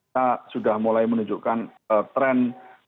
kita sudah mulai menunjukkan tren